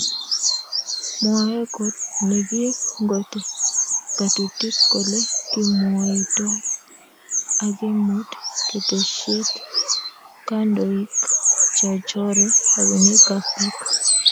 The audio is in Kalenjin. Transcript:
Mwoe kot nekingote ngatutik kole kimwoitoi akemut keteshiet kandoik che chore robinik ab bik